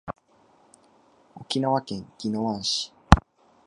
沖縄県宜野湾市